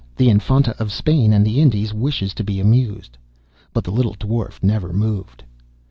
The Infanta of Spain and the Indies wishes to be amused.' But the little Dwarf never moved.